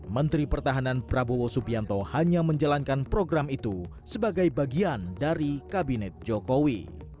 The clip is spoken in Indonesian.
menteri pertahanan prabowo subianto hanya menjalankan program itu sebagai bagian dari kabinet jokowi